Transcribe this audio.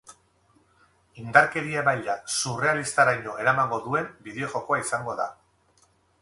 Indarkeria maila surrealistaraino eramango duen bideojokoa izango da.